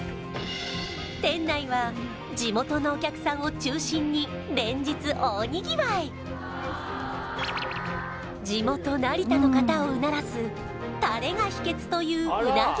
店内は地元のお客さんを中心に地元成田の方をうならすタレが秘訣という鰻